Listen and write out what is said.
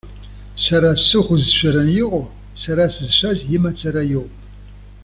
Сара сыхә зшәараны иҟоу, сара сызшаз имацара иоуп.